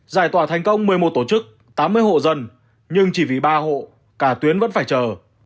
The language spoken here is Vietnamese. giải tỏa thành công một mươi một tổ chức tám mươi hộ dân nhưng chỉ vì ba hộ cả tuyến vẫn phải chờ